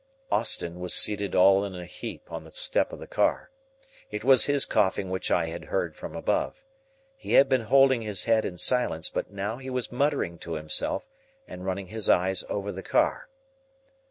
Austin was seated all in a heap on the step of the car. It was his coughing which I had heard from above. He had been holding his head in silence, but now he was muttering to himself and running his eyes over the car.